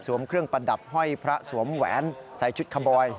เครื่องประดับห้อยพระสวมแหวนใส่ชุดคาบอย